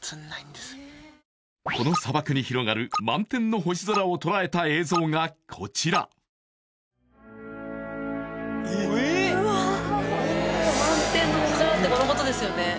この砂漠に広がる満天の星空を捉えた映像がこちら満天の星空ってこのことですよね